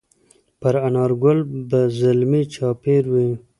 پر انارګل به زلمي چاپېروي